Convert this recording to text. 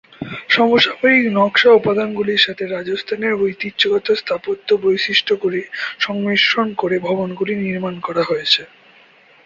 সমসাময়িক নকশা উপাদানগুলির সাথে রাজস্থানের ঐতিহ্যগত স্থাপত্য বৈশিষ্ট্যগুলির সংমিশ্রণ করে ভবনগুলি নির্মাণ করা হয়েছে।